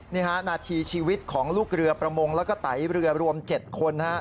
นาทีชีวิตของลูกเรือประมงแล้วก็ไตเรือรวม๗คน